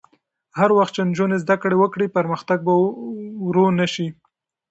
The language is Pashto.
هر وخت چې نجونې زده کړه وکړي، پرمختګ به ورو نه شي.